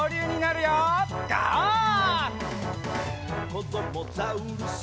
「こどもザウルス